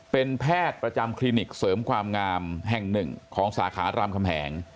เป็นแพทย์ประจำคลินิกเสริมความงามแห่งหนึ่งของสาขารามคำแหง